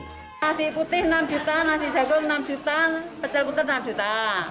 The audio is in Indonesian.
nasi putih enam juta nasi jagung enam juta pecel putih enam juta